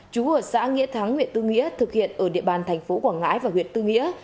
chú ở xã nghĩa thắng huyện tư nghĩa thực hiện ở địa bàn thành phố quảng ngãi và huyện tư nghĩa